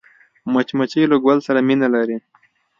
مچمچۍ له ګل سره مینه لري